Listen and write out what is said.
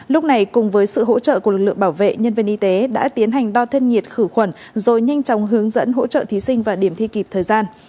lúc này cùng với sự hỗ trợ của lực lượng bảo vệ nhân viên y tế đã tiến hành đo thân nhiệt khử khuẩn rồi nhanh chóng hướng dẫn hỗ trợ thí sinh và điểm thi kịp thời gian